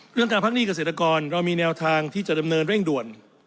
เรื่องการพักหนี้เกษตรกรเรามีแนวทางที่จะดำเนินเร่งด่วน